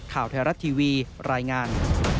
ข่าวแทรศทีวีรายงาน